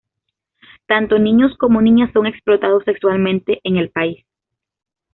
Tanto niños como niñas son explotados sexualmente en el país.